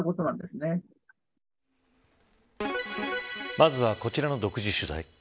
まずはこちらの独自取材。